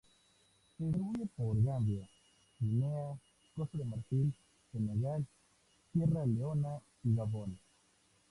Se distribuye por Gambia, Guinea, Costa de Marfil, Senegal, Sierra Leona y Gabón.